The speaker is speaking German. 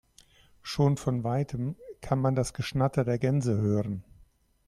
Schon von weitem kann man das Geschnatter der Gänse hören.